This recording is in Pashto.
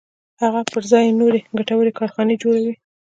هغه پر ځای یې نورې ګټورې کارخانې جوړوي